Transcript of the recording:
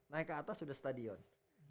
naik ke atas sudah stadion